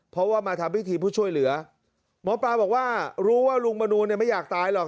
เพราะว่ามาทำพิธีเพื่อช่วยเหลือหมอปลาบอกว่ารู้ว่าลุงมนูลเนี่ยไม่อยากตายหรอก